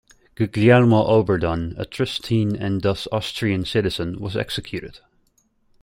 Guglielmo Oberdan, a Triestine and thus Austrian citizen, was executed.